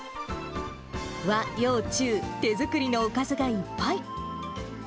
和洋中、手作りのおかずがいっぱい。